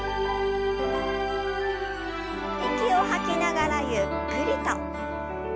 息を吐きながらゆっくりと。